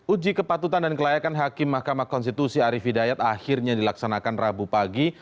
uji kepatutan dan kelayakan hakim mahkamah konstitusi arief hidayat akhirnya dilaksanakan rabu pagi